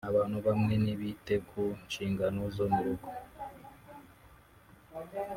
abantu bamwe ntibite ku nshingano zo mu rugo